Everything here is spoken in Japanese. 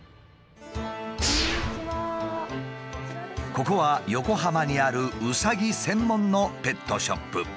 ここは横浜にあるうさぎ専門のペットショップ。